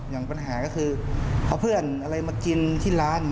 อย่างปัญหาก็คือเอาเพื่อนอะไรมากินที่ร้าน